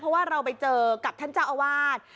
เพราะว่าเราไปเจอกับท่านเจ้าอาวาส